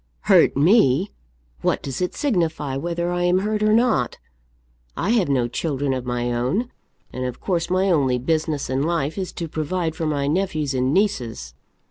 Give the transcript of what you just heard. "Hurt me! What does it signify whether I am hurt or not? I have no children of my own, and of course my only business in life is to provide for my nephews and nieces.